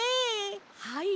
はい。